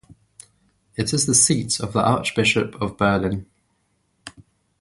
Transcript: It is the seat of the Archbishop of Berlin.